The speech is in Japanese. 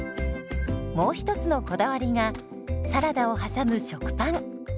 もう一つのこだわりがサラダを挟む食パン。